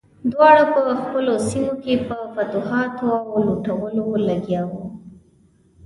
دواړه په خپلو سیمو کې په فتوحاتو او لوټلو لګیا وو.